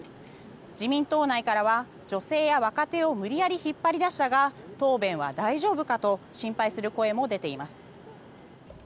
自民党内からは、女性や若手を無理やり引っ張り出したが答弁は大丈夫かと心配する声も出ています。